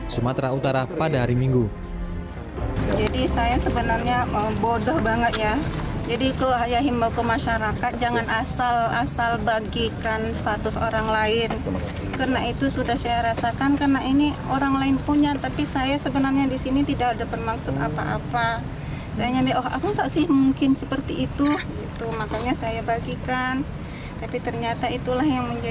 tapi ternyata itulah yang menjadi saya sebagai tersangka